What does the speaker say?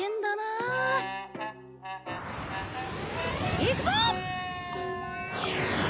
いくぞ！